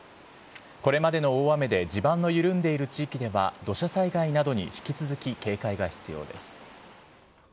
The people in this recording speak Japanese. これまでの大雨で、地盤の緩んでいる地域では、土砂災害などに引き続き、警戒が必要です。